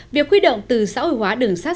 việc khuy động từ xã hội hóa đường sắt